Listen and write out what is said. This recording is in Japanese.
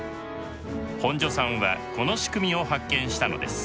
本庶さんはこの仕組みを発見したのです。